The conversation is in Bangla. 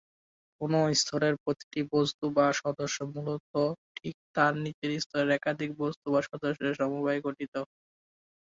কোনও স্তরের প্রতিটি "বস্তু" বা "সদস্য" মূলত ঠিক তার নিচের স্তরের একাধিক বস্তু বা সদস্যের সমবায়ে গঠিত।